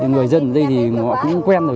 người dân ở đây thì mọi người cũng quen rồi